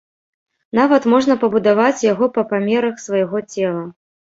Нават можна пабудаваць яго па памерах свайго цела.